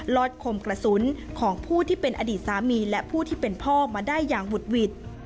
อดคมกระสุนของผู้ที่เป็นอดีตสามีและผู้ที่เป็นพ่อมาได้อย่างหุดหวิด